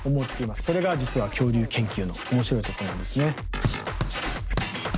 それが実は恐竜研究の面白いところなんですね。